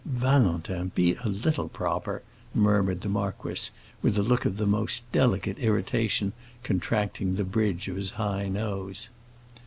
"Valentin, be a little proper!" murmured the marquis, with a look of the most delicate irritation contracting the bridge of his high nose.